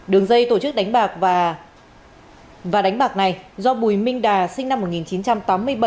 đường dây tổ chức đánh bạc và đánh bạc này do bùi minh đà sinh năm một nghìn chín trăm tám mươi bảy